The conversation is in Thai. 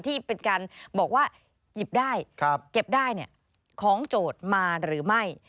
ที่เป็นการบอกว่าหยิบได้เก็บได้ของโจทย์มาหรือไม่